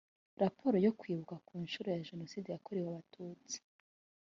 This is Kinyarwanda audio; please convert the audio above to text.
raporo yo kwibuka ku nshuro ya jenoside yakorewe abatutsi